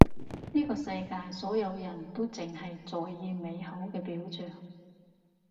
呢個世界所有人都淨係在意美好嘅表象